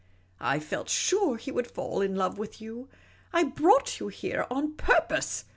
I felt sure he would fall in love with you. I brought you here on purpose.